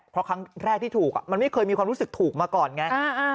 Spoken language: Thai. เพราะครั้งแรกที่ถูกมันไม่เคยมีความรู้สึกถูกมาก่อนไง